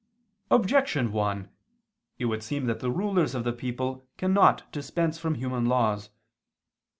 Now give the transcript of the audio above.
Objection 1: It would seem that the rulers of the people cannot dispense from human laws.